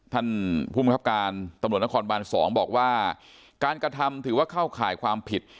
ท่านผู้บังคับการตำรวจนครบาน๒บอกว่าการกระทำถือว่าเข้าข่ายความผิด